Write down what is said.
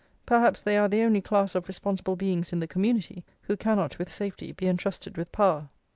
Perhaps they are the only class of responsible beings in the community who cannot with safety be entrusted with power."